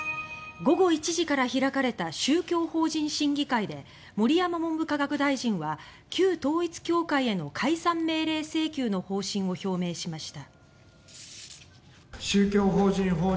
午後１時から開かれた宗教法人審議会で盛山文部科学大臣は旧統一教会への解散命令請求の方針を表明しました。